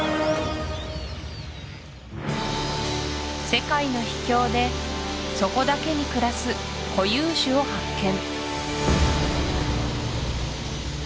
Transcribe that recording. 世界の秘境でそこだけに暮らす固有種を発見